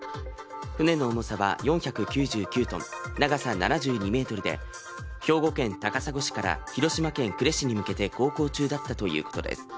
船の重さは４９９ｔ、長さ７２ｍで、兵庫県高砂市から広島県呉市に向けて航行中だったということです。